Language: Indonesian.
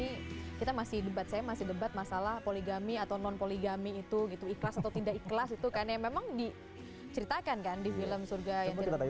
ini kita masih debat saya masih debat masalah poligami atau non poligami itu ikhlas atau tidak ikhlas itu karena memang diceritakan kan di film surga yang kita lihat tadi